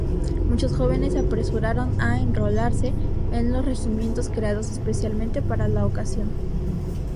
Muchos jóvenes se apresuraron a enrolarse en los regimientos creados especialmente para la ocasión.